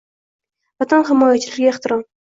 Vatan himoyachilariga ehtirom